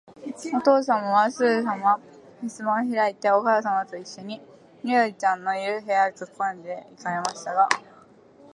おとうさまは、すぐさまふすまをひらいて、おかあさまといっしょに、緑ちゃんのいる、部屋へかけこんで行かれましたが、